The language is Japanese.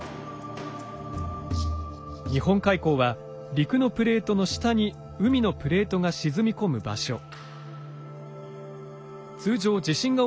日本海溝は陸のプレートの下に海のプレートが沈み込む場所。